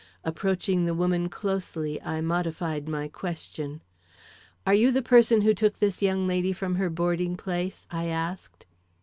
Approaching the woman closely, I modified my question. "Are you the person who took this young lady from her boarding place?" I asked.